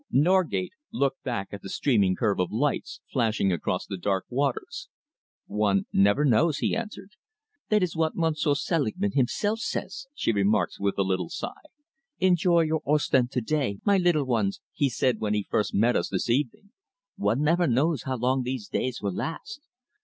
Norgate looked back at the streaming curve of lights flashing across the dark waters. "One never knows," he answered. "That is what Monsieur Selingman himself says," she remarked, with a little sigh. "'Enjoy your Ostend to day, my little ones,' he said, when he first met us this evening. 'One never knows how long these days will last.'